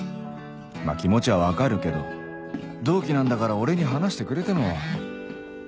まぁ気持ちは分かるけど同期なんだから俺に話してくれても